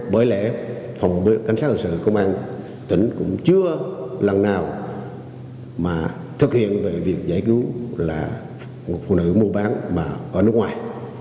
bởi lẽ cảnh sát hình sự công an tỉnh cũng chưa lần nào thực hiện việc giải cứu một phụ nữ mua bán ở nước ngoài